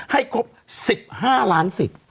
ให้ครบ๑๕ล้านสิทธิ์